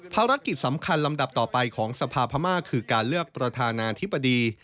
ภารกิจสำคัญลำดับต่อไปของสภาพม่าคือการเลือกประธานาธิบดี